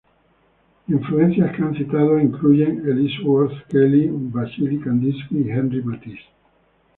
Influencias que ha citado incluyen Ellsworth Kelly, Wassily Kandinsky, y Henri Matisse.